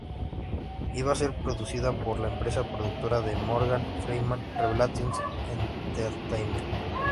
Iba a ser producida por la empresa productora de Morgan Freeman Revelations Entertainment.